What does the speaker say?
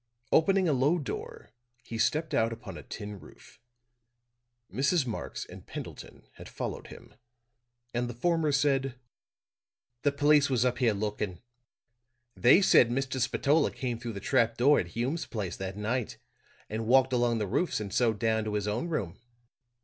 Opening a low door he stepped out upon a tin roof. Mrs. Marx and Pendleton had followed him, and the former said: "The police was up here looking. They said Mr. Spatola came through the trap door at Hume's place that night and walked along the roofs and so down to his own room."